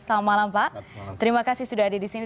selamat malam pak terima kasih sudah ada di sini